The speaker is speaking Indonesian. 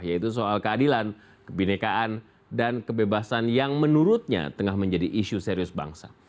yaitu soal keadilan kebenekaan dan kebebasan yang menurutnya tengah menjadi isu serius bangsa